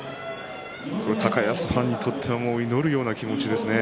高安ファンにとっては祈るような気持ちですね。